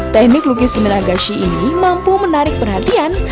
teknik lukis suminagashi ini mampu menarik perhatian